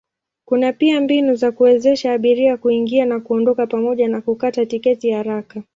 Kuna pia mbinu za kuwezesha abiria kuingia na kuondoka pamoja na kukata tiketi haraka.